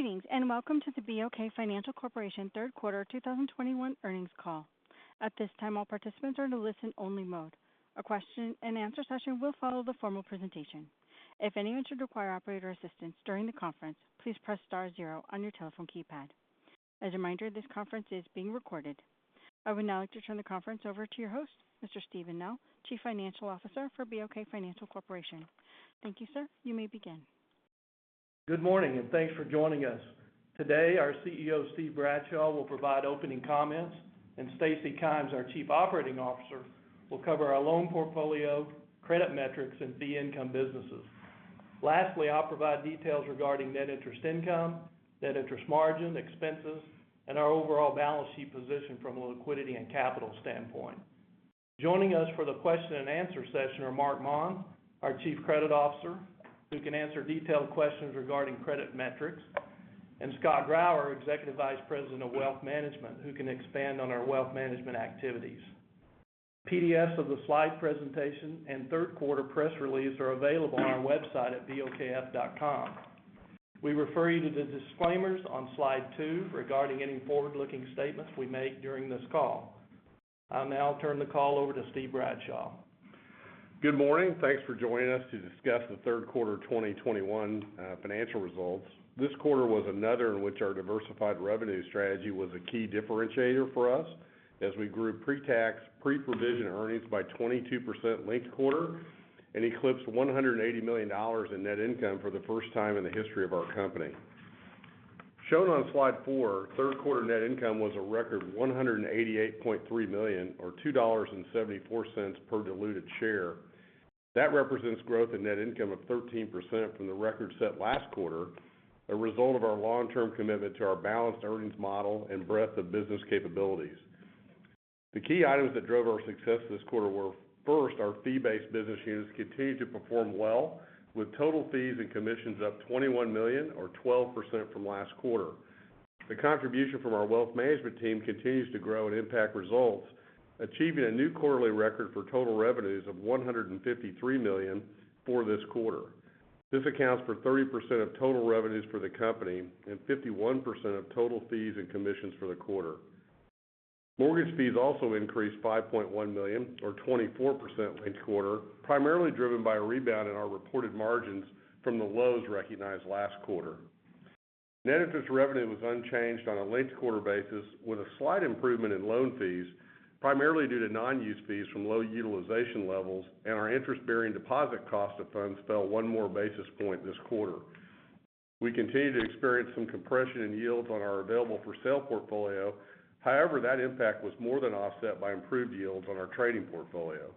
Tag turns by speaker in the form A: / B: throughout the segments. A: Greetings, and welcome to the BOK Financial Corporation third quarter 2021 earnings call. At this time, all participants are in a listen only mode. A question-and-answer session will follow the formal presentation. If anyone should require operator assistance during the conference, please press star zero on your telephone keypad. As a reminder, this conference is being recorded. I would now like to turn the conference over to your host, Mr. Steven Nell, Chief Financial Officer for BOK Financial Corporation. Thank you, sir. You may begin.
B: Good morning, and thanks for joining us. Today, our CEO, Steve Bradshaw, will provide opening comments, and Stacy Kymes, our Chief Operating Officer, will cover our loan portfolio, credit metrics, and fee income businesses. Lastly, I'll provide details regarding net interest income, net interest margin, expenses, and our overall balance sheet position from a liquidity and capital standpoint. Joining us for the question and answer session are Marc Maun, our Chief Credit Officer, who can answer detailed questions regarding credit metrics, and Scott Grauer, Executive Vice President of Wealth Management, who can expand on our wealth management activities. PDFs of the slide presentation and third quarter press release are available on our website at bokf.com. We refer you to the disclaimers on slide two regarding any forward-looking statements we make during this call. I'll now turn the call over to Steve Bradshaw.
C: Good morning. Thanks for joining us to discuss the third quarter 2021 financial results. This quarter was another in which our diversified revenue strategy was a key differentiator for us as we grew pre-tax, pre-provision earnings by 22% linked quarter and eclipsed $180 million in net income for the first time in the history of our company. Shown on slide four, third quarter net income was a record $188.3 million or $2.74 per diluted share. That represents growth in net income of 13% from the record set last quarter, a result of our long-term commitment to our balanced earnings model and breadth of business capabilities. The key items that drove our success this quarter were first, our fee-based business units continued to perform well with total fees and commissions up $21 million or 12% from last quarter. The contribution from our wealth management team continues to grow and impact results, achieving a new quarterly record for total revenues of $153 million for this quarter. This accounts for 30% of total revenues for the company and 51% of total fees and commissions for the quarter. Mortgage fees also increased $5.1 million or 24% linked quarter, primarily driven by a rebound in our reported margins from the lows recognized last quarter. Net interest revenue was unchanged on a linked quarter basis with a slight improvement in loan fees, primarily due to non-use fees from low utilization levels and our interest-bearing deposit cost of funds fell 1 more basis point this quarter. We continue to experience some compression in yields on our available for sale portfolio. That impact was more than offset by improved yields on our trading portfolio.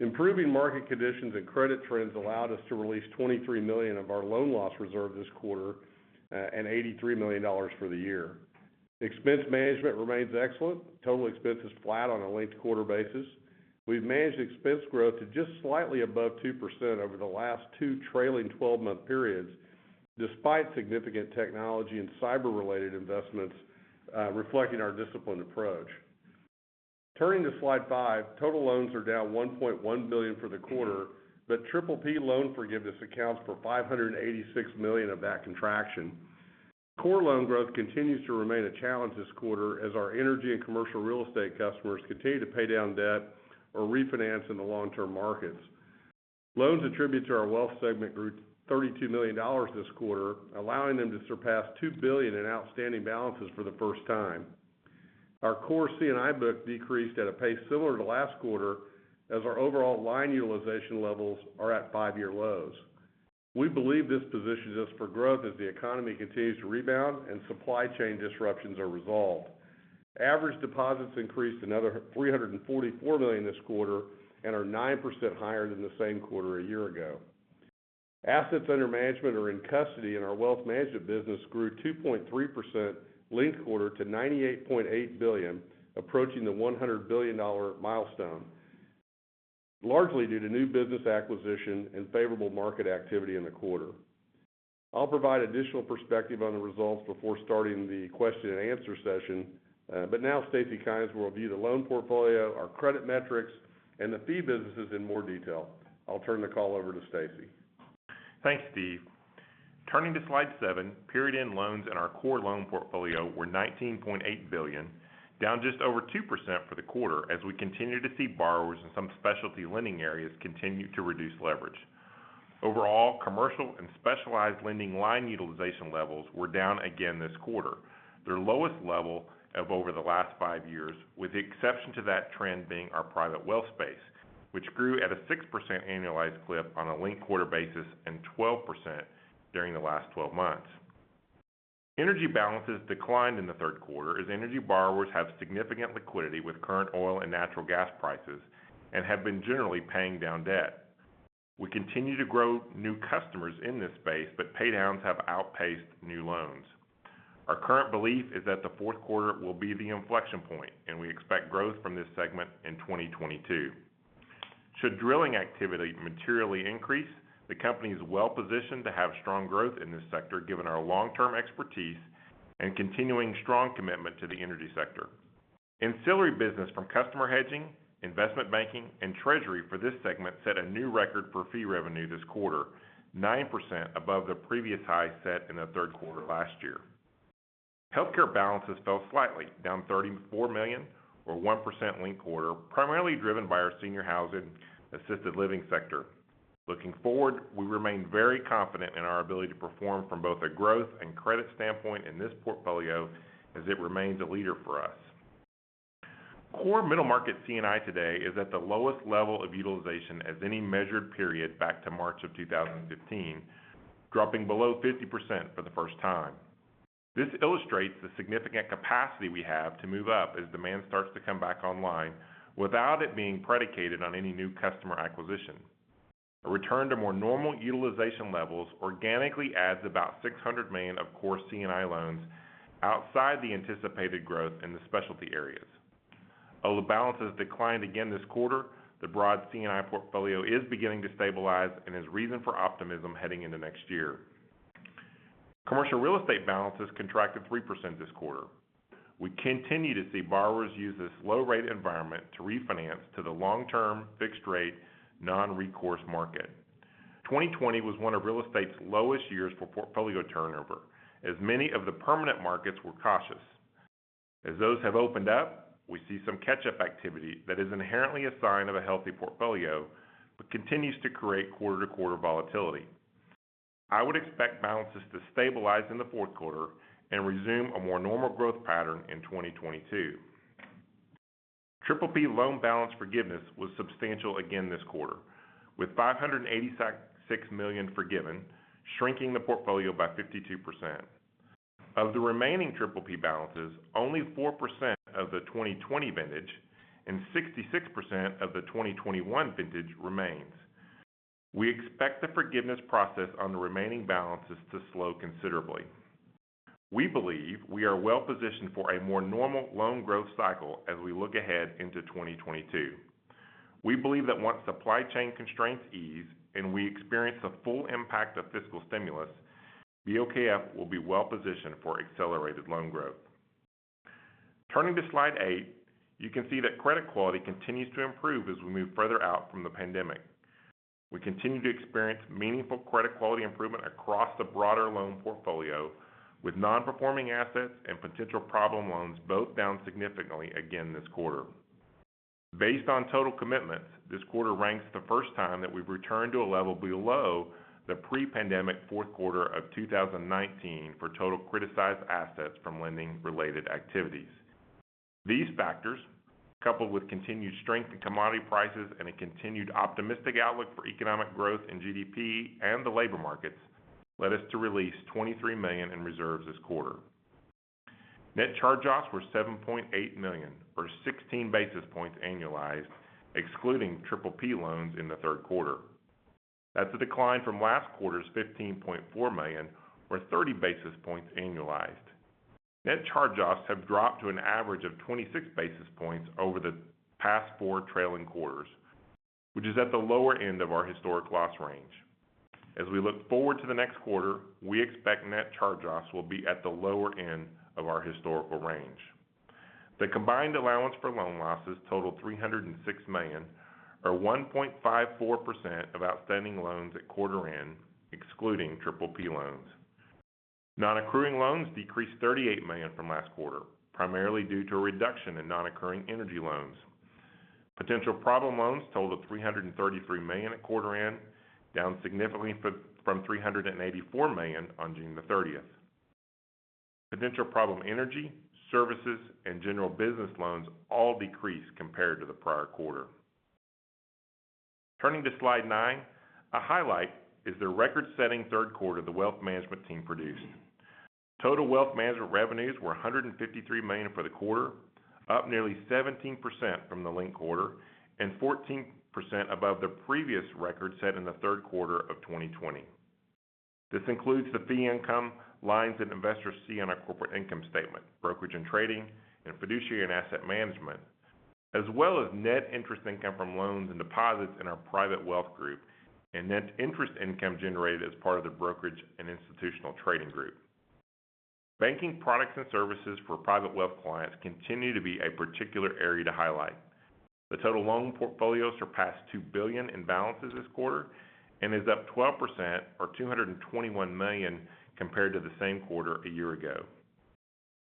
C: Improving market conditions and credit trends allowed us to release $23 million of our loan loss reserve this quarter, and $83 million for the year. Expense management remains excellent. Total expense is flat on a linked quarter basis. We've managed expense growth to just slightly above 2% over the last two trailing 12-month periods, despite significant technology and cyber related investments, reflecting our disciplined approach. Turning to slide five, total loans are down $1.1 billion for the quarter, but PPP loan forgiveness accounts for $586 million of that contraction. Core loan growth continues to remain a challenge this quarter as our energy and commercial real estate customers continue to pay down debt or refinance in the long-term markets. Loans attributed to our wealth segment grew $32 million this quarter, allowing them to surpass $2 billion in outstanding balances for the first time. Our core C&I book decreased at a pace similar to last quarter as our overall line utilization levels are at five year lows. We believe this positions us for growth as the economy continues to rebound and supply chain disruptions are resolved. Average deposits increased another $344 million this quarter and are 9% higher than the same quarter a year ago. Assets under management are in custody, and our wealth management business grew 2.3% linked quarter to $98.8 billion, approaching the $100 billion milestone, largely due to new business acquisition and favorable market activity in the quarter. I'll provide additional perspective on the results before starting the question-and-answer session. Now Stacy Kymes will review the loan portfolio, our credit metrics, and the fee businesses in more detail. I'll turn the call over to Stacy.
D: Thanks, Steve. Turning to slide seven, period-end loans in our core loan portfolio were $19.8 billion, down just over 2% for the quarter as we continue to see borrowers in some specialty lending areas continue to reduce leverage. Overall, commercial and specialized lending line utilization levels were down again this quarter, their lowest level of over the last five years, with the exception to that trend being our private wealth space, which grew at a 6% annualized clip on a linked quarter basis and 12% during the last 12 months. Energy balances declined in the third quarter as energy borrowers have significant liquidity with current oil and natural gas prices and have been generally paying down debt. We continue to grow new customers in this space, but paydowns have outpaced new loans. Our current belief is that the fourth quarter will be the inflection point, and we expect growth from this segment in 2022. Should drilling activity materially increase, the company is well positioned to have strong growth in this sector given our long-term expertise and continuing strong commitment to the energy sector. Ancillary business from customer hedging, investment banking, and treasury for this segment set a new record for fee revenue this quarter, 9% above the previous high set in the third quarter last year. Healthcare balances fell slightly, down $34 million or 1% linked quarter, primarily driven by our senior housing assisted living sector. Looking forward, we remain very confident in our ability to perform from both a growth and credit standpoint in this portfolio as it remains a leader for us. Core middle market C&I today is at the lowest level of utilization as any measured period back to March of 2015, dropping below 50% for the first time. This illustrates the significant capacity we have to move up as demand starts to come back online without it being predicated on any new customer acquisition. A return to more normal utilization levels organically adds about $600 million of core C&I loans outside the anticipated growth in the specialty areas. Although balances declined again this quarter, the broad C&I portfolio is beginning to stabilize and is reason for optimism heading into next year. Commercial real estate balances contracted 3% this quarter. We continue to see borrowers use this low-rate environment to refinance to the long-term fixed rate non-recourse market. 2020 was one of real estate's lowest years for portfolio turnover, as many of the permanent markets were cautious. As those have opened up, we see some catch-up activity that is inherently a sign of a healthy portfolio but continues to create quarter-to-quarter volatility. I would expect balances to stabilize in the fourth quarter and resume a more normal growth pattern in 2022. PPP loan balance forgiveness was substantial again this quarter, with $586 million forgiven, shrinking the portfolio by 52%. Of the remaining PPP balances, only 4% of the 2020 vintage and 66% of the 2021 vintage remains. We expect the forgiveness process on the remaining balances to slow considerably. We believe we are well-positioned for a more normal loan growth cycle as we look ahead into 2022. We believe that once supply chain constraints ease and we experience the full impact of fiscal stimulus, BOKF will be well-positioned for accelerated loan growth. Turning to slide eight, you can see that credit quality continues to improve as we move further out from the pandemic. We continue to experience meaningful credit quality improvement across the broader loan portfolio, with non-performing assets and potential problem loans both down significantly again this quarter. Based on total commitments, this quarter ranks the first time that we've returned to a level below the pre-pandemic fouth quarter of 2019 for total criticized assets from lending-related activities. These factors, coupled with continued strength in commodity prices and a continued optimistic outlook for economic growth in GDP and the labor markets, led us to release $23 million in reserves this quarter. Net charge-offs were $7.8 million, or 16 basis points annualized, excluding PPP loans in the third quarter. That's a decline from last quarter's $15.4 million or 30 basis points annualized. Net charge-offs have dropped to an average of 26 basis points over the past four trailing quarters, which is at the lower end of our historic loss range. As we look forward to the next quarter, we expect net charge-offs will be at the lower end of our historical range. The combined allowance for loan losses totaled $306 million, or 1.54% of outstanding loans at quarter end, excluding Triple P loans. Non-accruing loans decreased $38 million from last quarter, primarily due to a reduction in non-accruing energy loans. Potential problem loans totaled $333 million at quarter end, down significantly from $384 million on June the 30th. Potential problem energy, services, and general business loans all decreased compared to the prior quarter. Turning to slide nine, a highlight is the record-setting third quarter the Wealth Management team produced. Total Wealth Management revenues were $153 million for the quarter, up nearly 17% from the linked quarter and 14% above the previous record set in the third quarter of 2020. This includes the fee income lines that investors see on our corporate income statement, brokerage and trading, and fiduciary and asset management, as well as net interest income from loans and deposits in our Private Wealth Group, and net interest income generated as part of the Brokerage and Institutional Trading Group. Banking products and services for Private Wealth clients continue to be a particular area to highlight. The total loan portfolio surpassed $2 billion in balances this quarter and is up 12%, or $221 million, compared to the same quarter a year ago.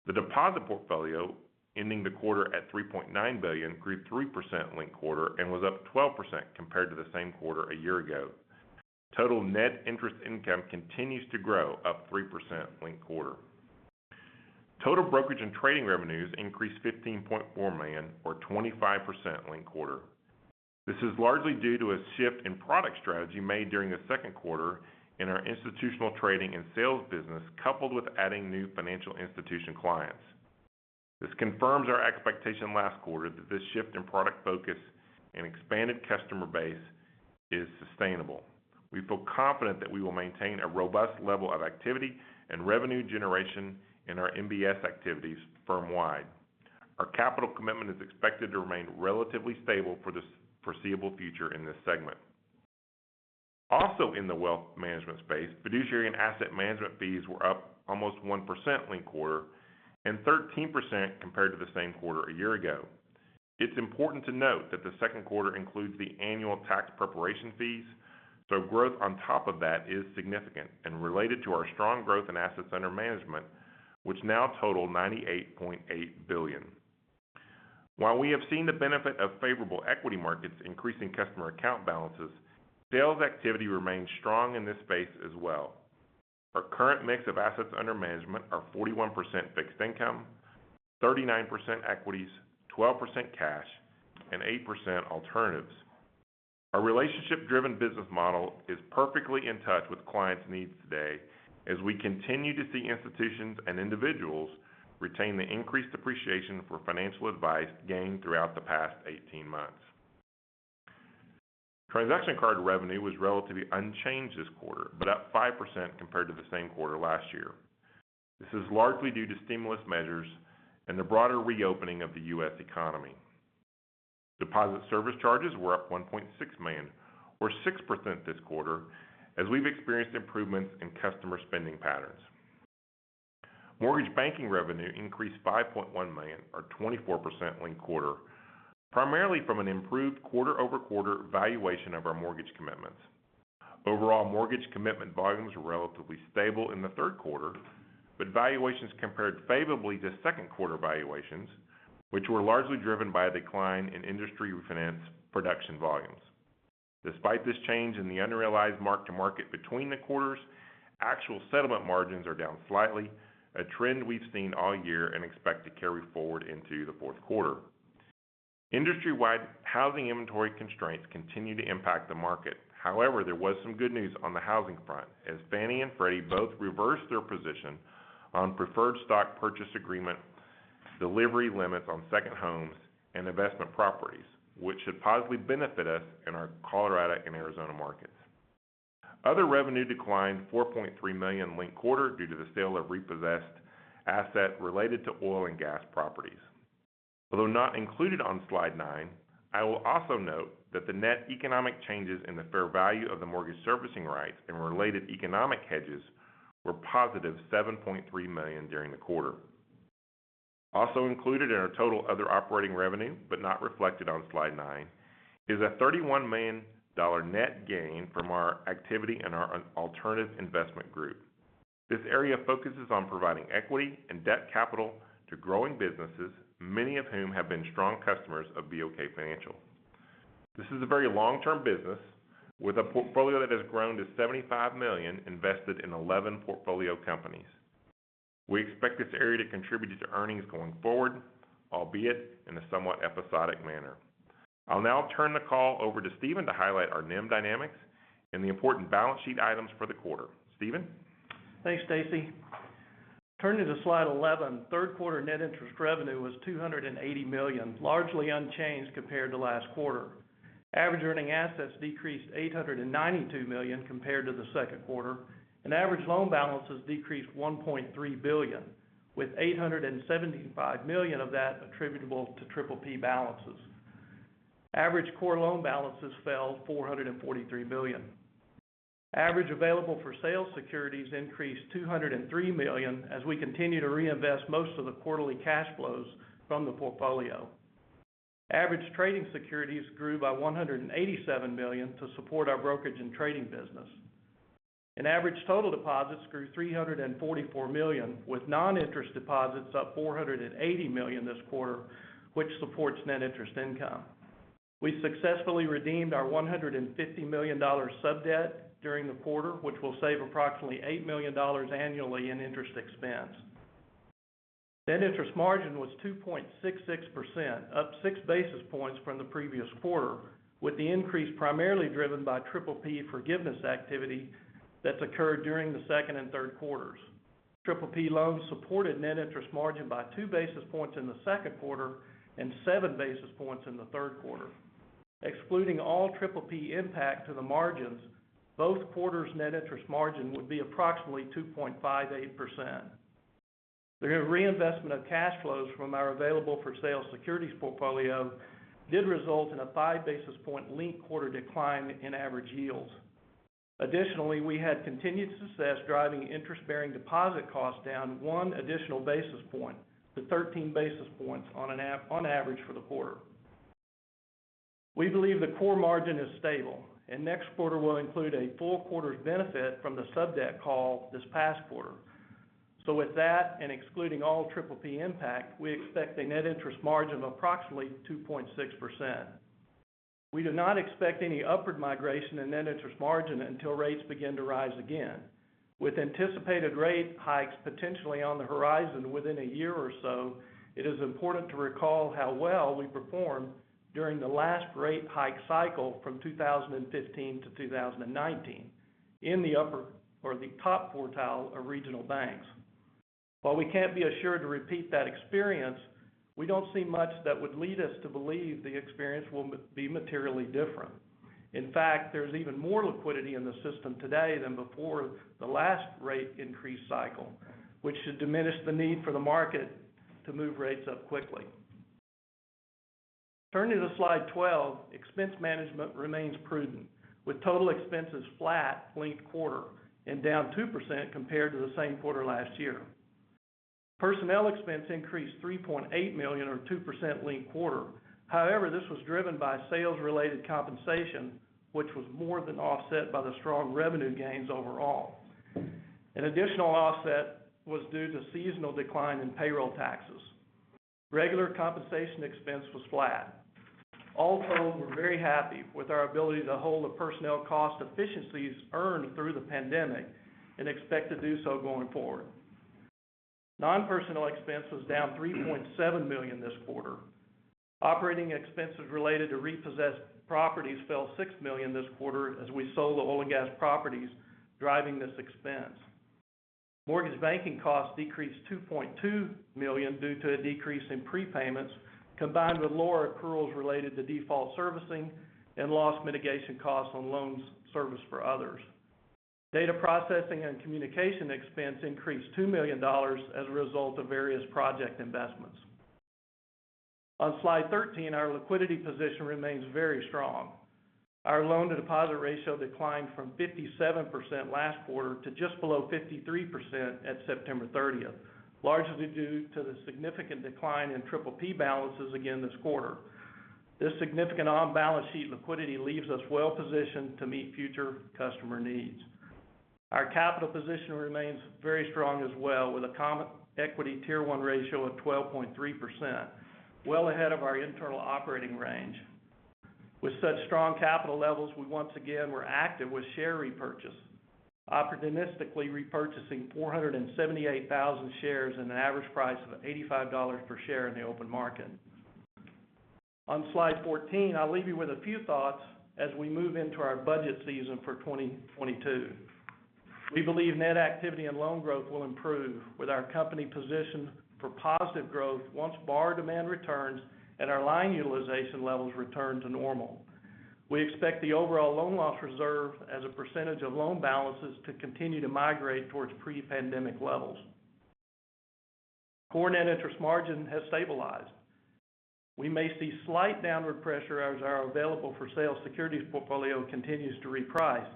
D: The deposit portfolio, ending the quarter at $3.9 billion, grew 3% linked quarter and was up 12% compared to the same quarter a year ago. Total net interest income continues to grow, up 3% linked quarter. Total brokerage and trading revenues increased $15.4 million or 25% linked quarter. This is largely due to a shift in product strategy made during the second quarter in our institutional trading and sales business, coupled with adding new financial institution clients. This confirms our expectation last quarter that this shift in product focus and expanded customer base is sustainable. We feel confident that we will maintain a robust level of activity and revenue generation in our MBS activities firm-wide. Our capital commitment is expected to remain relatively stable for the foreseeable future in this segment. Also in the wealth management space, fiduciary and asset management fees were up almost 1% linked quarter, and 13% compared to the same quarter a year ago. It's important to note that the second quarter includes the annual tax preparation fees, so growth on top of that is significant and related to our strong growth in assets under management, which now total $98.8 billion. While we have seen the benefit of favorable equity markets increasing customer account balances, sales activity remains strong in this space as well. Our current mix of assets under management are 41% fixed income, 39% equities, 12% cash, and 8% alternatives. Our relationship driven business model is perfectly in touch with clients' needs today as we continue to see institutions and individuals retain the increased appreciation for financial advice gained throughout the past 18 months. Transaction card revenue was relatively unchanged this quarter, but up 5% compared to the same quarter last year. This is largely due to stimulus measures and the broader reopening of the U.S. economy. Deposit service charges were up $1.6 million, or 6% this quarter, as we've experienced improvements in customer spending patterns. Mortgage banking revenue increased $5.1 million, or 24% linked quarter, primarily from an improved quarter-over-quarter valuation of our mortgage commitments. Overall mortgage commitment volumes were relatively stable in the third quarter, but valuations compared favorably to second quarter valuations, which were largely driven by a decline in industry refinance production volumes. Despite this change in the unrealized mark to market between the quarters, actual settlement margins are down slightly, a trend we've seen all year and expect to carry forward into the fourth quarter. Industry wide housing inventory constraints continue to impact the market. There was some good news on the housing front as Fannie Mae and Freddie Mac both reversed their position on preferred stock purchase agreement delivery limits on second homes and investment properties, which should positively benefit us in our Colorado and Arizona markets. Other revenue declined $4.3 million linked quarter due to the sale of repossessed asset related to oil and gas properties. Not included on slide nine, I will also note that the net economic changes in the fair value of the mortgage servicing rights and related economic hedges were positive $7.3 million during the quarter. Included in our total other operating revenue, but not reflected on slide nine, is a $31 million net gain from our activity in our alternative investment group. This area focuses on providing equity and debt capital to growing businesses, many of whom have been strong customers of BOK Financial. This is a very long-term business with a portfolio that has grown to $75 million invested in 11 portfolio companies. We expect this area to contribute to earnings going forward, albeit in a somewhat episodic manner. I'll now turn the call over to Steven to highlight our NIM dynamics and the important balance sheet items for the quarter. Steven?
B: Thanks, Stacy. Turning to slide 11, third quarter net interest revenue was $280 million, largely unchanged compared to last quarter. Average earning assets decreased $892 million compared to the second quarter, average loan balances decreased $1.3 billion, with $875 million of that attributable to PPP balances. Average core loan balances fell $443 million. Average available for sale securities increased $203 million as we continue to reinvest most of the quarterly cash flows from the portfolio. Average trading securities grew by $187 million to support our brokerage and trading business. Average total deposits grew $344 million, with non-interest deposits up $480 million this quarter, which supports net interest income. We successfully redeemed our $150 million sub-debt during the quarter, which will save approximately $8 million annually in interest expense. Net interest margin was 2.66%, up 6 basis points from the previous quarter, with the increase primarily driven by PPP forgiveness activity that's occurred during the second and third quarters. PPP loans supported net interest margin by 2 basis points in the second quarter and 7 basis points in the third quarter. Excluding all PPP impact to the margins, both quarters' net interest margin would be approximately 2.58%. The reinvestment of cash flows from our available for sale securities portfolio did result in a 5 basis point linked quarter decline in average yields. Additionally, we had continued success driving interest bearing deposit costs down 1 additional basis point to 13 basis points on average for the quarter. We believe the core margin is stable and next quarter will include a full quarter's benefit from the sub-debt call this past quarter. With that, and excluding all PPP impact, we expect a net interest margin of approximately 2.6%. We do not expect any upward migration in net interest margin until rates begin to rise again. With anticipated rate hikes potentially on the horizon within a year or so, it is important to recall how well we performed during the last rate hike cycle from 2015 to 2019 in the upper or the top quartile of regional banks. While we can't be assured to repeat that experience, we don't see much that would lead us to believe the experience will be materially different. In fact, there's even more liquidity in the system today than before the last rate increase cycle, which should diminish the need for the market to move rates up quickly. Turning to slide 12, expense management remains prudent, with total expenses flat linked quarter and down 2% compared to the same quarter last year. Personnel expense increased $3.8 million or 2% linked quarter. This was driven by sales related compensation, which was more than offset by the strong revenue gains overall. An additional offset was due to seasonal decline in payroll taxes. Regular compensation expense was flat. All told, we're very happy with our ability to hold the personnel cost efficiencies earned through the pandemic and expect to do so going forward. Non-personnel expense was down $3.7 million this quarter. Operating expenses related to repossessed properties fell $6 million this quarter as we sold the oil and gas properties driving this expense. Mortgage banking costs decreased $2.2 million due to a decrease in prepayments, combined with lower accruals related to default servicing and loss mitigation costs on loans serviced for others. Data processing and communication expense increased $2 million as a result of various project investments. On slide 13, our liquidity position remains very strong. Our loan-to-deposit ratio declined from 57% last quarter to just below 53% at September 30th, largely due to the significant decline in PPP balances again this quarter. This significant on-balance sheet liquidity leaves us well positioned to meet future customer needs. Our capital position remains very strong as well, with a common equity Tier 1 ratio of 12.3%, well ahead of our internal operating range. With such strong capital levels, we once again were active with share repurchase, opportunistically repurchasing 478,000 shares at an average price of $85 per share in the open market. On slide 14, I'll leave you with a few thoughts as we move into our budget season for 2022. We believe net activity and loan growth will improve with our company positioned for positive growth once borrower demand returns and our line utilization levels return to normal. We expect the overall loan loss reserve as a percentage of loan balances to continue to migrate towards pre-pandemic levels. Core net interest margin has stabilized. We may see slight downward pressure as our available-for-sale securities portfolio continues to reprice,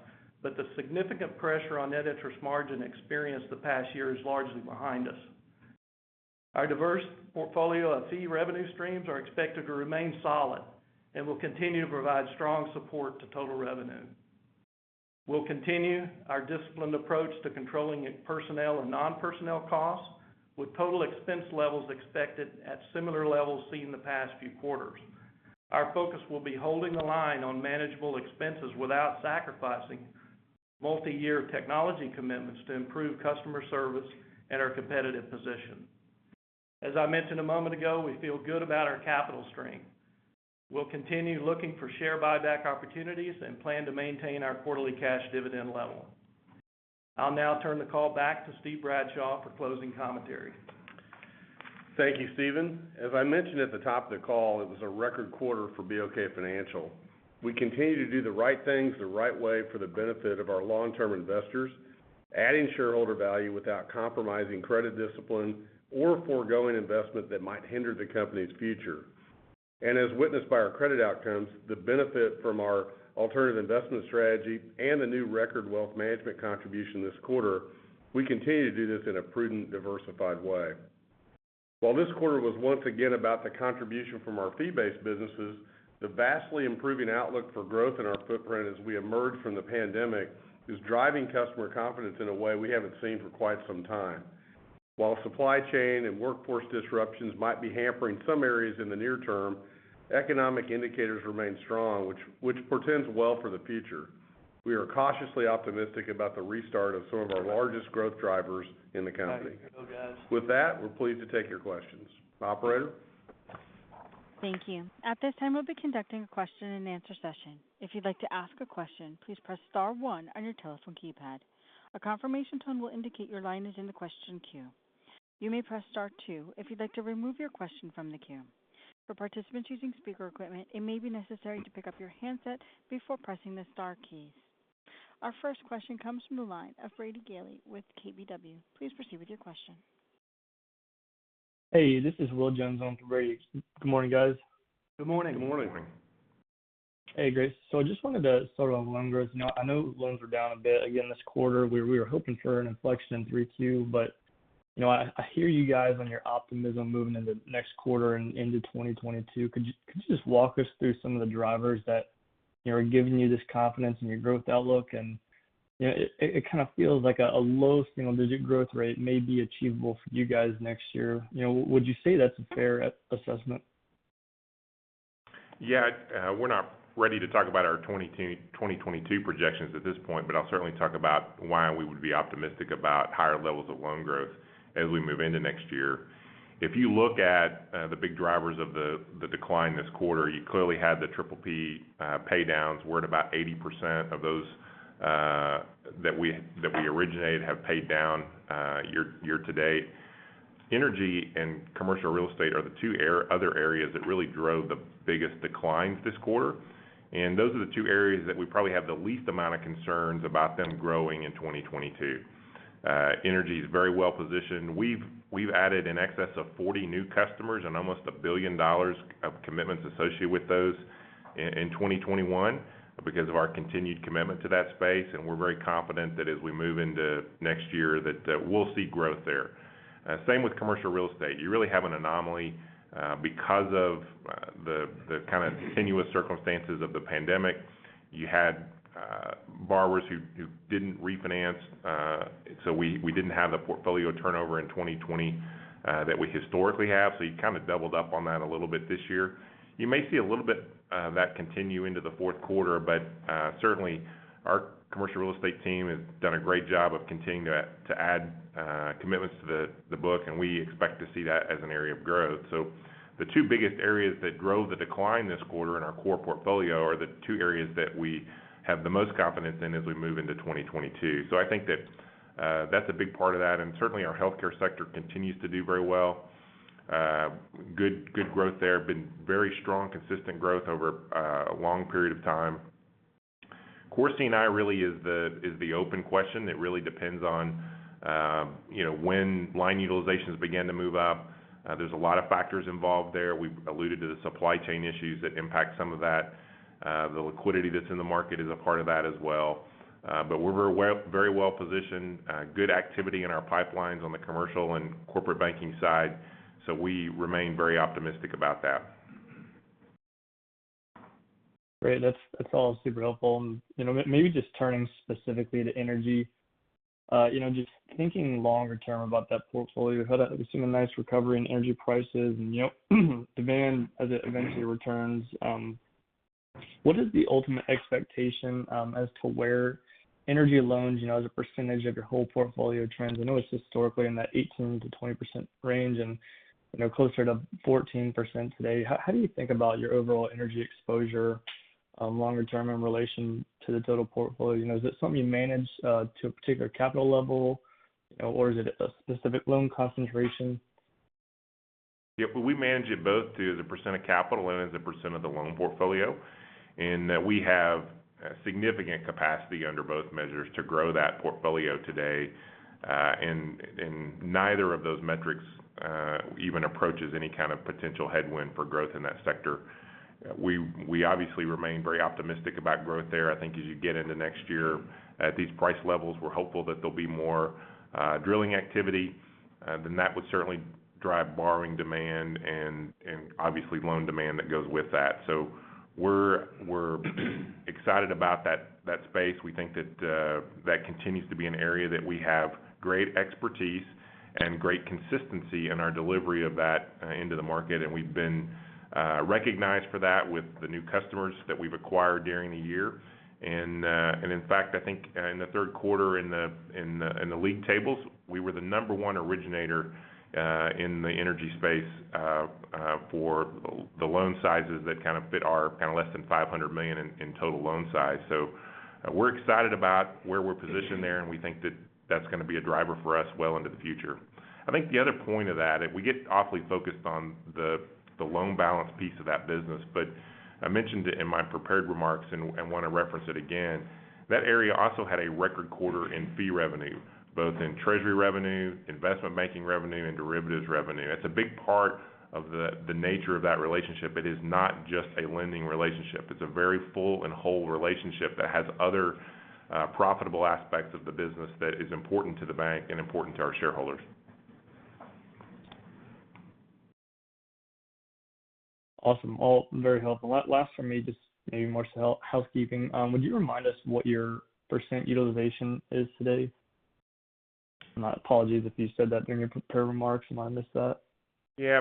B: but the significant pressure on net interest margin experienced the past year is largely behind us. Our diverse portfolio of fee revenue streams are expected to remain solid and will continue to provide strong support to total revenue. We'll continue our disciplined approach to controlling personnel and non-personnel costs with total expense levels expected at similar levels seen the past few quarters. Our focus will be holding the line on manageable expenses without sacrificing multi-year technology commitments to improve customer service and our competitive position. As I mentioned a moment ago, we feel good about our capital strength. We'll continue looking for share buyback opportunities and plan to maintain our quarterly cash dividend level. I'll now turn the call back to Steve Bradshaw for closing commentary.
C: Thank you, Steven. As I mentioned at the top of the call, it was a record quarter for BOK Financial. We continue to do the right things the right way for the benefit of our long-term investors, adding shareholder value without compromising credit discipline or foregoing investment that might hinder the company's future. As witnessed by our credit outcomes, the benefit from our alternative investment strategy and the new record Wealth Management contribution this quarter, we continue to do this in a prudent, diversified way. While this quarter was once again about the contribution from our fee-based businesses, the vastly improving outlook for growth in our footprint as we emerge from the pandemic is driving customer confidence in a way we haven't seen for quite some time. While supply chain and workforce disruptions might be hampering some areas in the near term, economic indicators remain strong, which portends well for the future. We are cautiously optimistic about the restart of some of our largest growth drivers in the company. With that, we're pleased to take your questions. Operator?
A: Thank you. At this time, we'll be conducting a question-and-answer session. If you'd like to ask a question, please press star one on your telephone keypad. A confirmation tone will indicate your line is in the question queue. You may press star two if you'd like to remove your question from the queue. For participants using speaker equipment, it may be necessary to pick up your handset before pressing the star key. Our first question comes from the line of Brady Gailey with KBW. Please proceed with your question.
E: Hey, this is Will Jones on for Brady. Good morning, guys.
C: Good morning.
B: Good morning.
E: Hey, great. I just wanted to start on loan growth. I know loans were down a bit again this quarter, where we were hoping for an inflection in 3Q. I hear you guys on your optimism moving into next quarter and into 2022. Could you just walk us through some of the drivers that are giving you this confidence in your growth outlook? It kind of feels like a low single-digit growth rate may be achievable for you guys next year. Would you say that's a fair assessment?
D: Yeah. We're not ready to talk about our 2022 projections at this point, but I'll certainly talk about why we would be optimistic about higher levels of loan growth as we move into next year. If you look at the big drivers of the decline this quarter, you clearly had the PPP paydowns. We're at about 80% of those that we originated have paid down year-to-date. Energy and commercial real estate are the two other areas that really drove the biggest declines this quarter, and those are the two areas that we probably have the least amount of concerns about them growing in 2022. Energy is very well-positioned. We've added in excess of 40 new customers and almost $1 billion of commitments associated with those in 2021 because of our continued commitment to that space. We're very confident that as we move into next year, that we'll see growth there. Same with commercial real estate. You really have an anomaly. Because of the continuous circumstances of the pandemic, you had borrowers who didn't refinance. We didn't have the portfolio turnover in 2020 that we historically have, so you kind of doubled up on that a little bit this year. You may see a little bit of that continue into the fourth quarter. Certainly our commercial real estate team has done a great job of continuing to add commitments to the book, and we expect to see that as an area of growth. The two biggest areas that drove the decline this quarter in our core portfolio are the two areas that we have the most confidence in as we move into 2022. I think that that's a big part of that. Certainly, our healthcare sector continues to do very well. Good growth there. Been very strong, consistent growth over a long period of time. Core C&I really is the open question. It really depends on when line utilizations begin to move up. There's a lot of factors involved there. We've alluded to the supply chain issues that impact some of that. The liquidity that's in the market is a part of that as well. We're very well-positioned. Good activity in our pipelines on the commercial and corporate banking side. We remain very optimistic about that.
E: Great. That's all super helpful. Maybe just turning specifically to energy. Just thinking longer term about that portfolio, how that we've seen a nice recovery in energy prices and demand as it eventually returns. What is the ultimate expectation as to where energy loans, as a percentage of your whole portfolio trends? I know it's historically in that 18%-20% range and closer to 14% today. How do you think about your overall energy exposure longer term in relation to the total portfolio? Is it something you manage to a particular capital level, or is it a specific loan concentration?
D: Yeah. We manage it both through the percent of capital and as a percent of the loan portfolio. In that we have significant capacity under both measures to grow that portfolio today. Neither of those metrics even approaches any kind of potential headwind for growth in that sector. We obviously remain very optimistic about growth there. I think as you get into next year at these price levels, we're hopeful that there'll be more drilling activity, that would certainly drive borrowing demand and obviously loan demand that goes with that. We're excited about that space. We think that continues to be an area that we have great expertise and great consistency in our delivery of that into the market, and we've been recognized for that with the new customers that we've acquired during the year. In fact, I think in the third quarter in the league tables, we were the number one originator in the energy space for the loan sizes that kind of fit our kind of less than $500 million in total loan size. We're excited about where we're positioned there, and we think that that's going to be a driver for us well into the future. I think the other point of that, we get awfully focused on the loan balance piece of that business. I mentioned it in my prepared remarks and want to reference it again. That area also had a record quarter in fee revenue, both in treasury revenue, investment banking revenue, and derivatives revenue. It's a big part of the nature of that relationship. It is not just a lending relationship. It's a very full and whole relationship that has other profitable aspects of the business that is important to the bank and important to our shareholders.
E: Awesome. All very helpful. Last from me, just maybe more housekeeping. Would you remind us what your percent utilization is today? My apologies if you said that during your prepared remarks, and I missed that.
D: Yeah.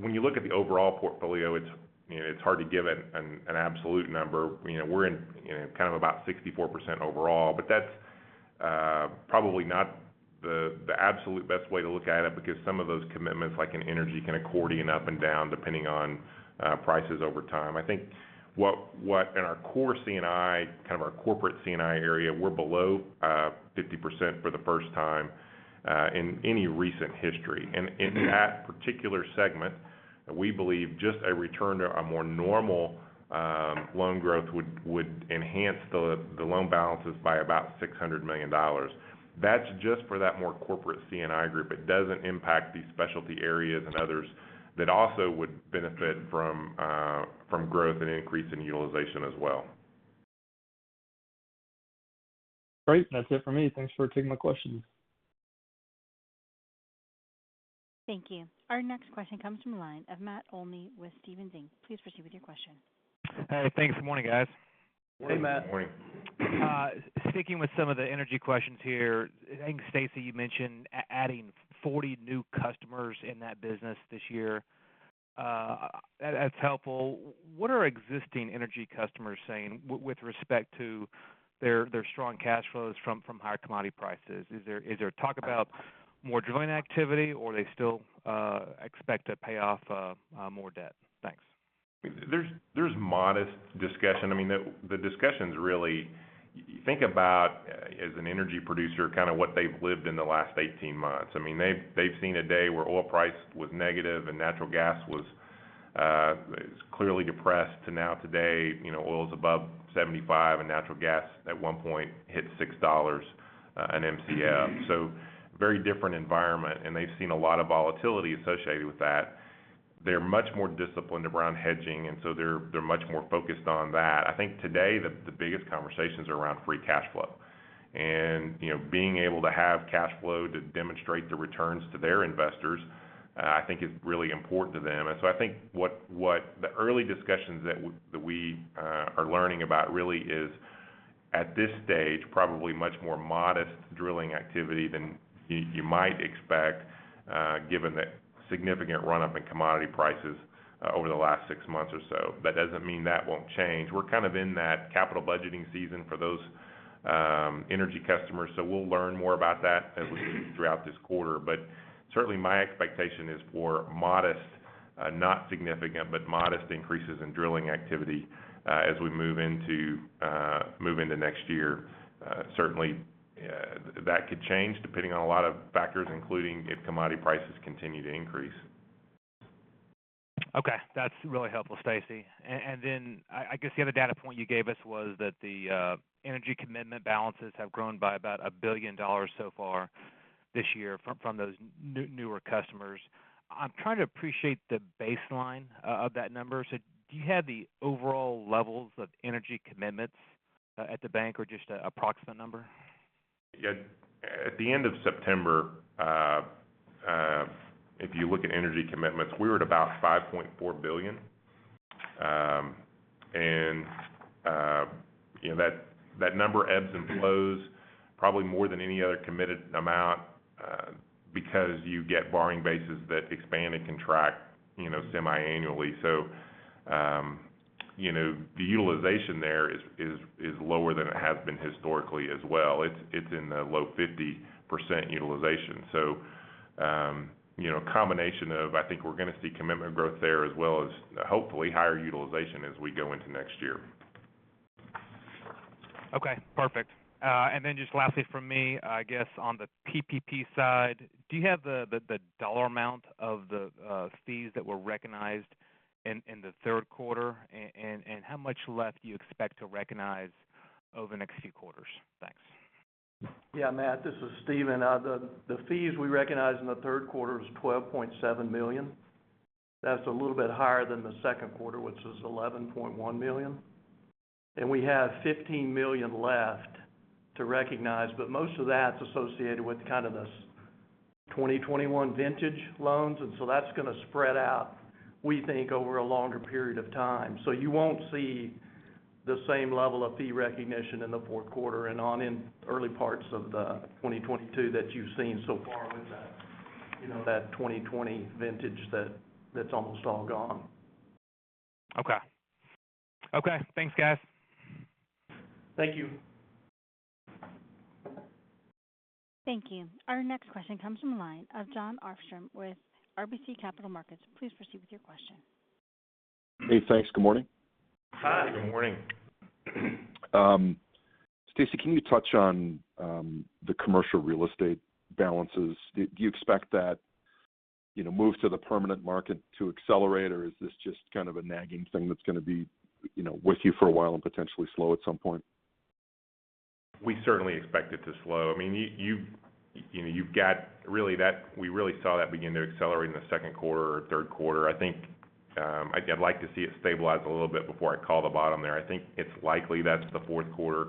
D: When you look at the overall portfolio, it's hard to give an absolute number. We're in kind of about 64% overall, but that's probably not the absolute best way to look at it because some of those commitments, like in energy, can accordion up and down depending on prices over time. I think in our core C&I, kind of our corporate C&I area, we're below 50% for the first time in any recent history. In that particular segment, we believe just a return to a more normal loan growth would enhance the loan balances by about $600 million. That's just for that more corporate C&I group. It doesn't impact the specialty areas and others that also would benefit from growth and increase in utilization as well.
E: Great. That's it for me. Thanks for taking my questions.
A: Thank you. Our next question comes from the line of Matt Olney with Stephens Inc.. Please proceed with your question.
F: Hey, thanks. Good morning, guys.
C: Good morning.
F: Sticking with some of the energy questions here. I think Stacy, you mentioned adding 40 new customers in that business this year. That's helpful. What are existing energy customers saying with respect to their strong cash flows from higher commodity prices? Is there talk about more drilling activity, or are they still expect to pay off more debt? Thanks.
D: There's modest discussion. The discussions, think about as an energy producer, kind of what they've lived in the last 18 months. They've seen a day where oil price was negative and natural gas was It's clearly depressed to now today, oil's above $75 and natural gas at one point hit $6 an MCF. Very different environment, and they've seen a lot of volatility associated with that. They're much more disciplined around hedging, they're much more focused on that. I think today the biggest conversations are around free cash flow. Being able to have cash flow to demonstrate the returns to their investors, I think is really important to them. I think what the early discussions that we are learning about really is at this stage, probably much more modest drilling activity than you might expect, given the significant run-up in commodity prices over the last six months or so. That doesn't mean that won't change. We're kind of in that capital budgeting season for those energy customers. We'll learn more about that as we move throughout this quarter. Certainly, my expectation is for modest, not significant, but modest increases in drilling activity as we move into next year. Certainly, that could change depending on a lot of factors, including if commodity prices continue to increase.
F: Okay. That's really helpful, Stacy. I guess the other data point you gave us was that the energy commitment balances have grown by about $1 billion so far this year from those newer customers. I'm trying to appreciate the baseline of that number. Do you have the overall levels of energy commitments at the bank, or just an approximate number?
D: At the end of September, if you look at energy commitments, we were at about $5.4 billion. That number ebbs and flows probably more than any other committed amount, because you get borrowing bases that expand and contract semi-annually. The utilization there is lower than it has been historically as well. It's in the low 50% utilization. A combination of, I think we're going to see commitment growth there as well as hopefully higher utilization as we go into next year.
F: Okay, perfect. Just lastly from me, I guess on the PPP side, do you have the dollar amount of the fees that were recognized in the third quarter? How much less do you expect to recognize over the next few quarters? Thanks.
B: Yeah, Matt, this is Steven. The fees we recognized in the third quarter was $12.7 million. That's a little bit higher than the second quarter, which was $11.1 million. We have $15 million left to recognize, but most of that's associated with kind of the 2021 vintage loans, and so that's going to spread out, we think, over a longer period of time. You won't see the same level of fee recognition in the fourth quarter and on in early parts of the 2022 that you've seen so far with that 2020 vintage that's almost all gone.
F: Okay. Thanks, guys.
B: Thank you.
A: Thank you. Our next question comes from the line of Jon Arfstrom with RBC Capital Markets. Please proceed with your question.
G: Hey, thanks. Good morning.
B: Hi, good morning.
G: Stacy, can you touch on the commercial real estate balances? Do you expect that move to the permanent market to accelerate, or is this just kind of a nagging thing that's going to be with you for a while and potentially slow at some point?
D: We certainly expect it to slow. We really saw that begin to accelerate in the second quarter or third quarter. I think I'd like to see it stabilize a little bit before I call the bottom there. I think it's likely that's the fourth quarter.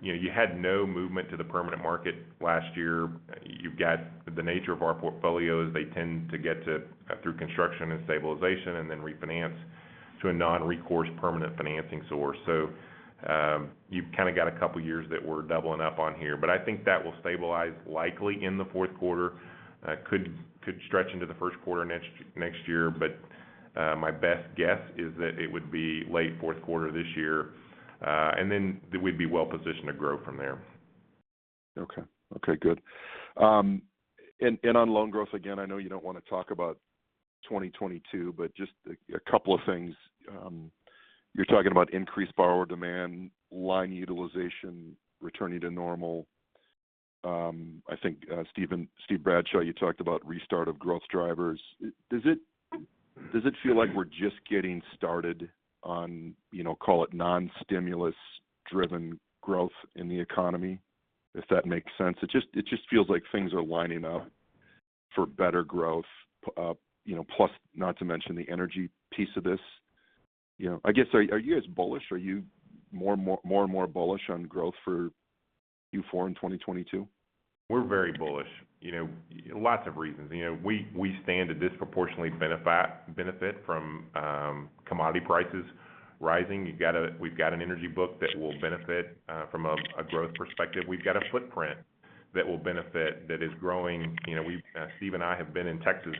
D: You had no movement to the permanent market last year. You've got the nature of our portfolios, they tend to get to through construction and stabilization and then refinance to a non-recourse permanent financing source. You've kind of got a couple years that we're doubling up on here. I think that will stabilize likely in the fourth quarter. Could stretch into the first quarter next year, but my best guess is that it would be late fourth quarter this year. We'd be well-positioned to grow from there.
G: Okay, good. On loan growth, again, I know you don't want to talk about 2022, but just a couple of things. You're talking about increased borrower demand, line utilization returning to normal. I think Steven Bradshaw, you talked about restart of growth drivers. Does it feel like we're just getting started on call it non-stimulus-driven growth in the economy? If that makes sense. It just feels like things are lining up for better growth, plus not to mention the energy piece of this. I guess, are you guys bullish? Are you more and more bullish on growth for Q4 in 2022?
D: We're very bullish. Lots of reasons. We stand to disproportionately benefit from commodity prices rising. We've got an energy book that will benefit from a growth perspective. We've got a footprint that will benefit, that is growing. Steven and I have been in Texas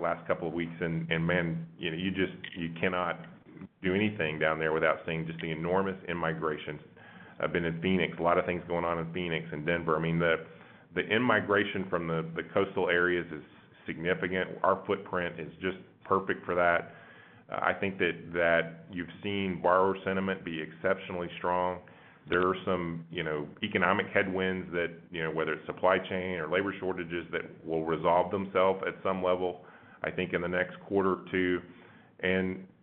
D: last couple of weeks, man, you cannot do anything down there without seeing just the enormous in-migration. I've been in Phoenix, a lot of things going on in Phoenix and Denver. I mean, the in-migration from the coastal areas is significant. Our footprint is just perfect for that. I think that you've seen borrower sentiment be exceptionally strong. There are some economic headwinds that, whether it's supply chain or labor shortages, that will resolve themselves at some level, I think, in the next quarter or two.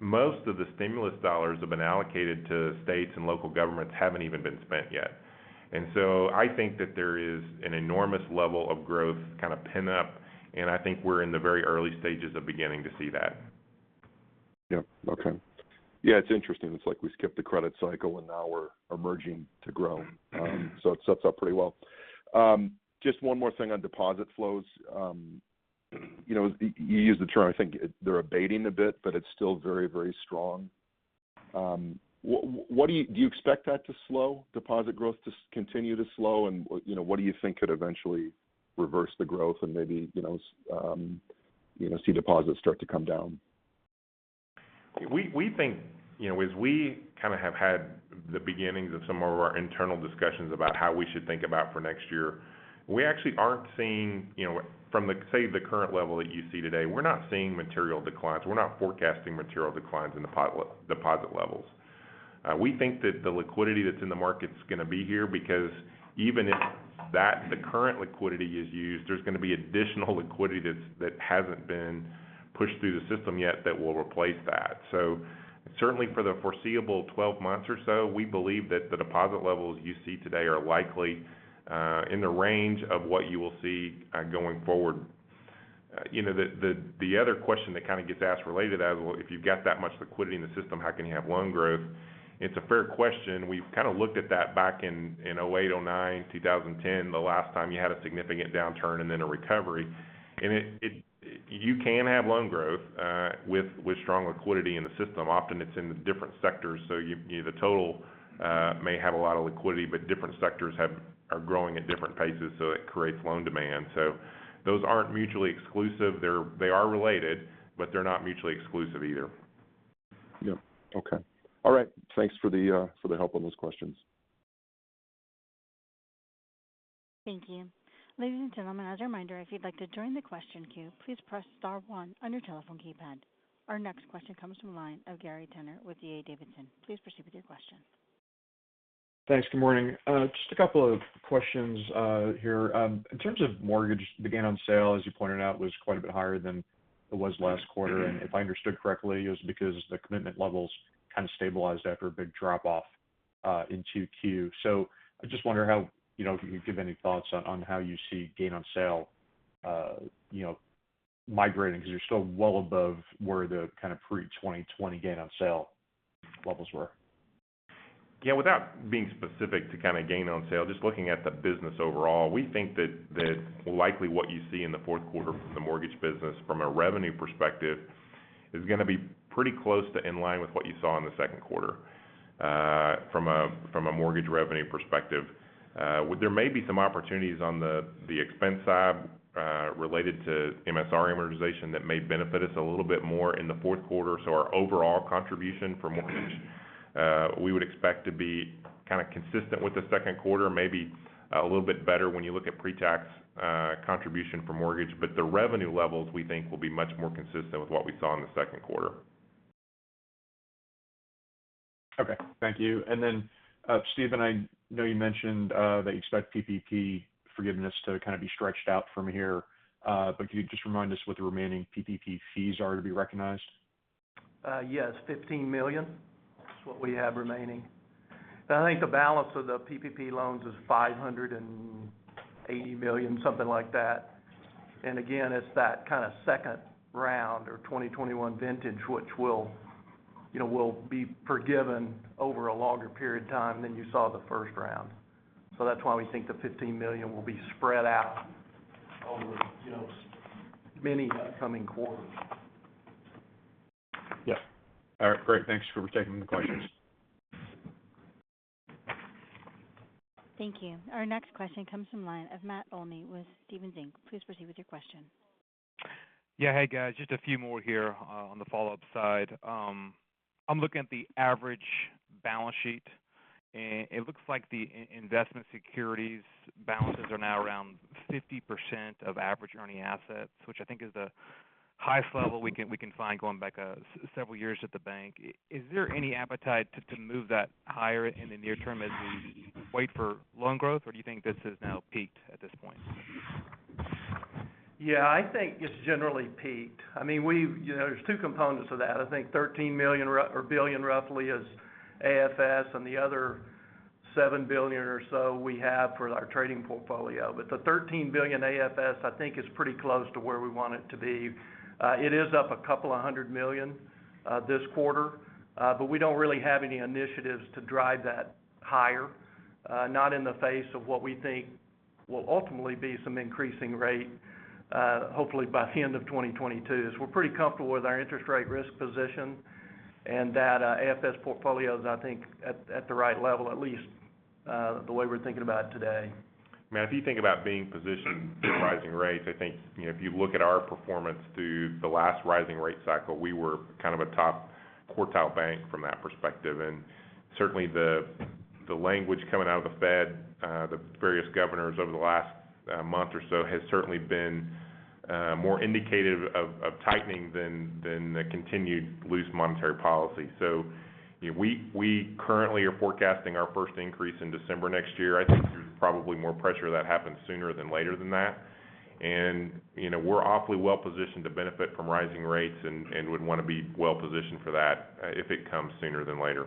D: Most of the stimulus dollars have been allocated to states and local governments haven't even been spent yet. I think that there is an enormous level of growth kind of pent up, and I think we're in the very early stages of beginning to see that.
G: Yep. Okay. Yeah, it's interesting. It's like we skipped the credit cycle, and now we're emerging to grow. It sets up pretty well. Just one more thing on deposit flows. You used the term, I think, they're abating a bit, but it's still very strong. Do you expect that to slow, deposit growth to continue to slow, and what do you think could eventually reverse the growth and maybe see deposits start to come down?
D: We think, as we have had the beginnings of some of our internal discussions about how we should think about for next year, we actually aren't seeing from, say, the current level that you see today, we're not seeing material declines. We're not forecasting material declines in deposit levels. We think that the liquidity that's in the market's going to be here, because even if the current liquidity is used, there's going to be additional liquidity that hasn't been pushed through the system yet that will replace that. Certainly for the foreseeable 12 months or so, we believe that the deposit levels you see today are likely in the range of what you will see going forward. The other question that kind of gets asked related as well, if you've got that much liquidity in the system, how can you have loan growth? It's a fair question. We've kind of looked at that back in 2008, 2009, 2010, the last time you had a significant downturn and then a recovery. You can have loan growth with strong liquidity in the system. Often it's in the different sectors. The total may have a lot of liquidity, but different sectors are growing at different paces, so it creates loan demand. Those aren't mutually exclusive. They are related, but they're not mutually exclusive either.
G: Yep. Okay. All right. Thanks for the help on those questions.
A: Thank you. Ladies and gentlemen, as a reminder, if you'd like to join the question queue, please press star one on your telephone keypad. Our next question comes from the line of Gary Tenner with D.A. Davidson. Please proceed with your question.
H: Thanks. Good morning. Just a couple of questions here. In terms of mortgage gain on sale, as you pointed out, was quite a bit higher than it was last quarter. If I understood correctly, it was because the commitment levels kind of stabilized after a big drop-off in 2Q. I just wonder if you could give any thoughts on how you see gain on sale migrating, because you're still well above where the pre-2020 gain on sale levels were.
D: Yeah. Without being specific to gain on sale, just looking at the business overall, we think that likely what you see in the fourth quarter from the mortgage business from a revenue perspective is going to be pretty close to in line with what you saw in the second quarter from a mortgage revenue perspective. There may be some opportunities on the expense side related to MSR amortization that may benefit us a little bit more in the fourth quarter. Our overall contribution for mortgage, we would expect to be consistent with the second quarter, maybe a little bit better when you look at pre-tax contribution for mortgage. The revenue levels, we think, will be much more consistent with what we saw in the second quarter.
H: Okay. Thank you. Then, Steven, I know you mentioned that you expect PPP forgiveness to be stretched out from here. Could you just remind us what the remaining PPP fees are to be recognized?
B: Yes, $15 million is what we have remaining. I think the balance of the PPP loans is $580 million, something like that. Again, it's that kind of second round or 2021 vintage, which will be forgiven over a longer period of time than you saw the first round. That's why we think the $15 million will be spread out over many upcoming quarters.
H: Yes. All right, great. Thanks for taking the questions.
A: Thank you. Our next question comes from line of Matt Olney with Stephens Inc. Please proceed with your question.
F: Yeah. Hey, guys, just a few more here on the follow-up side. I'm looking at the average balance sheet, and it looks like the investment securities balances are now around 50% of average earning assets, which I think is the highest level we can find going back several years at the bank. Is there any appetite to move that higher in the near term as we wait for loan growth, or do you think this has now peaked at this point?
B: Yeah, I think it's generally peaked. There's two components of that. I think $13 billion roughly is AFS, and the other $7 billion or so we have for our trading portfolio. The $13 billion AFS, I think is pretty close to where we want it to be. It is up a couple of hundred million this quarter. We don't really have any initiatives to drive that higher. Not in the face of what we think will ultimately be some increasing rate hopefully by the end of 2022. We're pretty comfortable with our interest rate risk position and that AFS portfolio is, I think, at the right level, at least the way we're thinking about it today.
D: Matt, if you think about being positioned for rising rates, I think if you look at our performance through the last rising rate cycle, we were kind of a top-quartile bank from that perspective. Certainly, the language coming out of the Fed, the various governors over the last month or so has certainly been more indicative of tightening than the continued loose monetary policy. We currently are forecasting our first increase in December next year. I think there's probably more pressure that happens sooner than later than that. We're awfully well-positioned to benefit from rising rates and would want to be well-positioned for that if it comes sooner than later.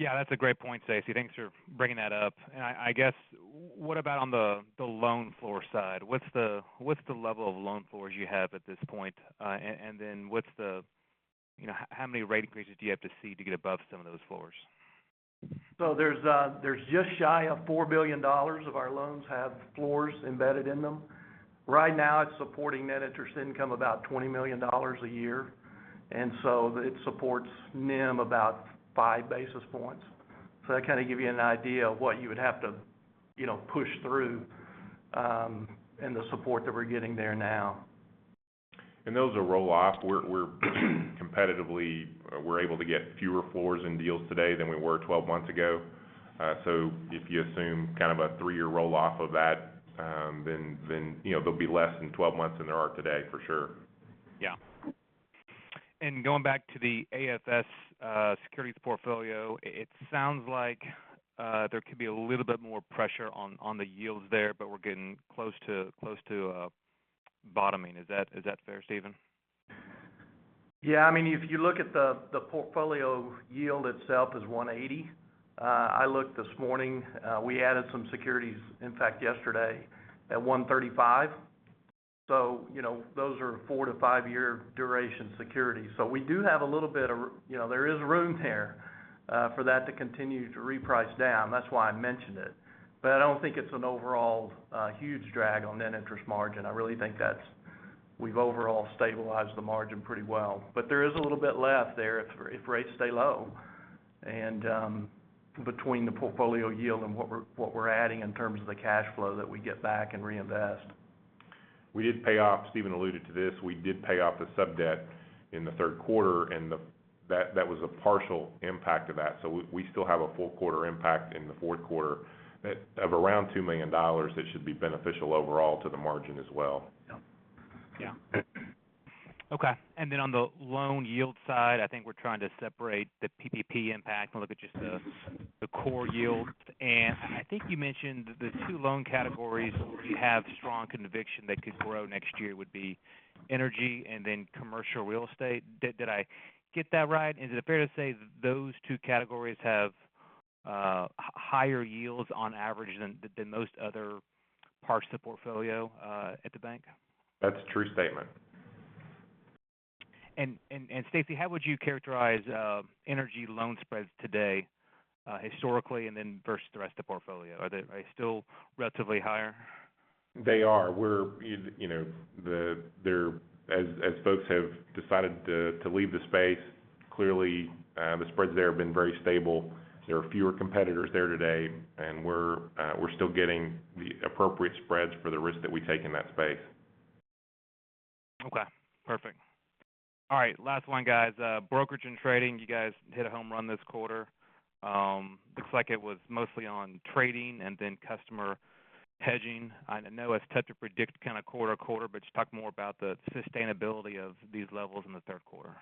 F: Yeah, that's a great point, Stacy. Thanks for bringing that up. I guess, what about on the loan floor side? What's the level of loan floors you have at this point? How many rate increases do you have to see to get above some of those floors?
B: There's just shy of $4 billion of our loans have floors embedded in them. Right now, it's supporting net interest income about $20 million a year. It supports NIM about 5 basis points. That kind of give you an idea of what you would have to push through in the support that we're getting there now.
D: Those will roll off. Competitively, we're able to get fewer floors in deals today than we were 12 months ago. If you assume kind of a three year roll-off of that, then there'll be less in 12 months than there are today, for sure.
F: Yeah. Going back to the AFS securities portfolio, it sounds like there could be a little bit more pressure on the yields there, but we're getting close to bottoming. Is that fair, Steven?
B: Yeah. If you look at the portfolio yield itself is 180. I looked this morning. We added some securities, in fact, yesterday, at 135. Those are four years-five years duration security. There is room there for that to continue to reprice down. That's why I mentioned it. I don't think it's an overall huge drag on net interest margin. I really think that we've overall stabilized the margin pretty well. There is a little bit left there if rates stay low, and between the portfolio yield and what we're adding in terms of the cash flow that we get back and reinvest.
D: We did pay off, Steven alluded to this, we did pay off the sub-debt in the third quarter. That was a partial impact of that. We still have a full quarter impact in the fourth quarter of around $2 million. That should be beneficial overall to the margin as well.
B: Yeah.
F: Yeah. Okay. On the loan yield side, I think we're trying to separate the PPP impact and look at just the core yield. I think you mentioned the two loan categories where you have strong conviction that could grow next year would be energy and then commercial real estate. Did I get that right? Is it fair to say that those two categories have higher yields on average than most other parts of the portfolio at the bank?
D: That's a true statement.
F: Stacy, how would you characterize energy loan spreads today historically and then versus the rest of the portfolio? Are they still relatively higher?
D: They are. As folks have decided to leave the space, clearly the spreads there have been very stable. There are fewer competitors there today, and we're still getting the appropriate spreads for the risk that we take in that space.
F: Okay, perfect. All right. Last one, guys. Brokerage and trading, you guys hit a home run this quarter. Looks like it was mostly on trading and then customer hedging. I know it's tough to predict kind of quarter-to-quarter, but just talk more about the sustainability of these levels in the third quarter?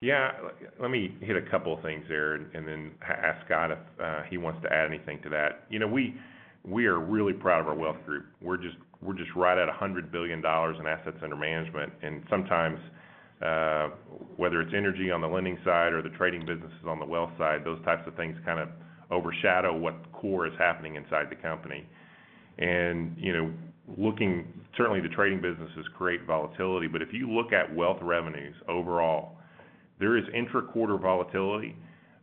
D: Yeah. Let me hit a couple of things there and then ask Scott if he wants to add anything to that. We are really proud of our wealth group. We're just right at $100 billion in assets under management. Sometimes, whether it's energy on the lending side or the trading businesses on the wealth side, those types of things kind of overshadow what core is happening inside the company. Certainly, the trading businesses create volatility, but if you look at wealth revenues overall, there is intra-quarter volatility,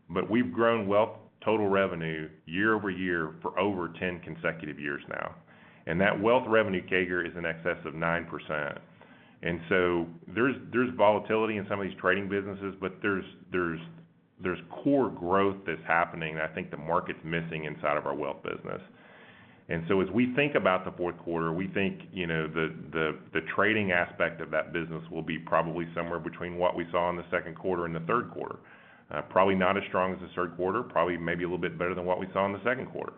D: but we've grown wealth total revenue year-over-year for over 10 consecutive years now. That wealth revenue CAGR is in excess of 9%. There's volatility in some of these trading businesses, but there's core growth that's happening that I think the market's missing inside of our wealth business. As we think about the fourth quarter, we think the trading aspect of that business will be probably somewhere between what we saw in the second quarter and the third quarter. Probably not as strong as the third quarter, probably maybe a little bit better than what we saw in the second quarter.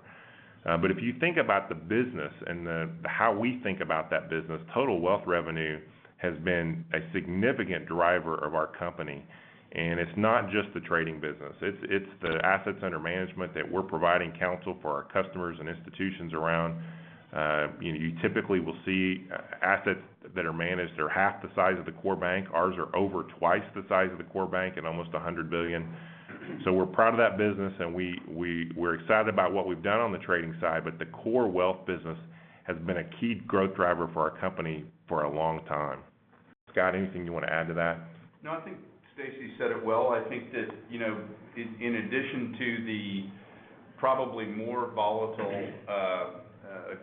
D: If you think about the business and how we think about that business, total wealth revenue has been a significant driver of our company, and it's not just the trading business. It's the assets under management that we're providing counsel for our customers and institutions around. You typically will see assets that are managed that are half the size of the core bank. Ours are over twice the size of the core bank and almost $100 billion. We're proud of that business, and we're excited about what we've done on the trading side, but the core wealth business has been a key growth driver for our company for a long time. Scott, anything you want to add to that?
I: I think Stacy said it well. I think that in addition to the probably more volatile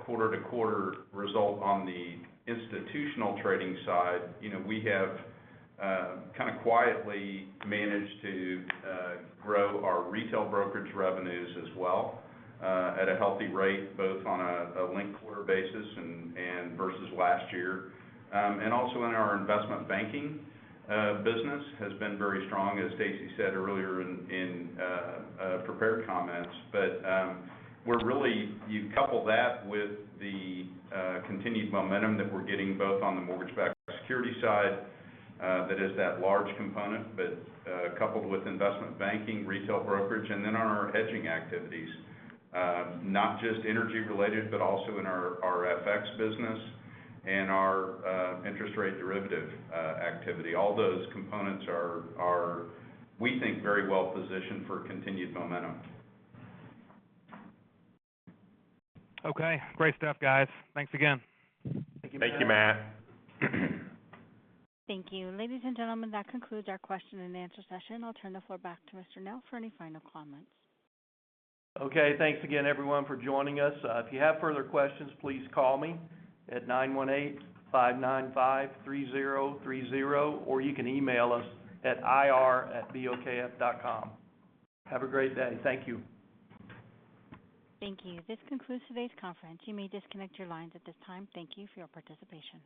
I: quarter-to-quarter result on the institutional trading side, we have kind of quietly managed to grow our retail brokerage revenues as well at a healthy rate, both on a linked quarter basis and versus last year. Also in our investment banking business has been very strong, as Stacy said earlier in prepared comments. You couple that with the continued momentum that we're getting both on the mortgage-backed security side, that is that large component, but coupled with investment banking, retail brokerage, and then our hedging activities. Not just energy related, but also in our FX business and our interest rate derivative activity. All those components are, we think, very well-positioned for continued momentum.
F: Okay. Great stuff, guys. Thanks again.
D: Thank you.
I: Thank you, Matt.
A: Thank you. Ladies and gentlemen, that concludes our question-and-answer session. I will turn the floor back to Mr. Nell for any final comments.
B: Okay. Thanks again, everyone, for joining us. If you have further questions, please call me at nine one eight five nine five three zero three zero, or you can email us at ir@bokf.com. Have a great day. Thank you.
A: Thank you. This concludes today's conference. You may disconnect your lines at this time. Thank you for your participation.